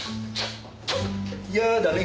やだね。